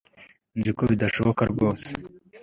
Nzi ko bidashoboka rwose